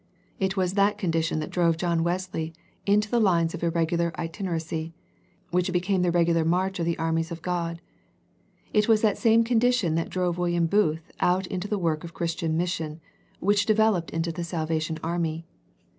It was that condition that drove John Wesley into the lines of irregular itineracy, which became the regular march of the armies of God. It was that same condi tion that drove William Booth out into the work of the Christian Mission, which devel oped into the Salvation Army.